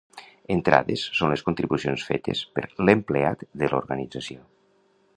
Entrades són les contribucions fetes per l'empleat de l'organització.